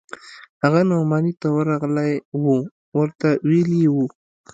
هغه نعماني ته ورغلى و ورته ويلي يې و.